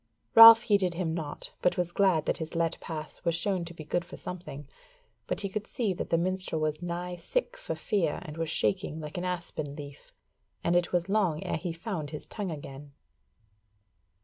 Ralph heeded him naught, but was glad that his let pass was shown to be good for something; but he could see that the minstrel was nigh sick for fear and was shaking like an aspen leaf, and it was long ere he found his tongue again.